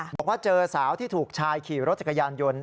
บอกว่าเจอสาวที่ถูกชายขี่รถจักรยานยนต์